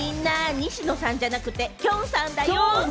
西野さんじゃなくて、きょんさんだよ！